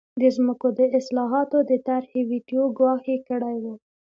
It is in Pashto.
د ځمکو د اصلاحاتو د طرحې ویټو ګواښ یې کړی و.